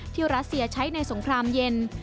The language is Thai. รัสเซียใช้ในสงครามเย็น